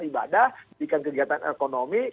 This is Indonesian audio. ibadah ketika kegiatan ekonomi